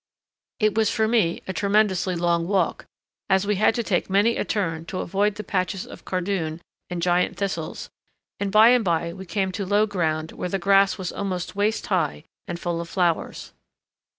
It was for me a tremendously long walk, as we had to take many a turn to avoid the patches of cardoon and giant thistles, and by and by we came to low ground where the grass was almost waist high and full of flowers.